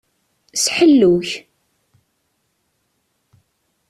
S ḥellu-k.